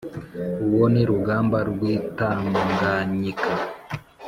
Uwo ni Rugamba rw’ i Tanganyika”!